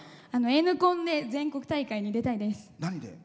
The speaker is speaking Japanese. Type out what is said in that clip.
Ｎコンで全国大会に出たいです。